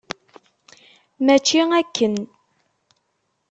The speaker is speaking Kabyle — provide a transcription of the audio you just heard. Mačči akken!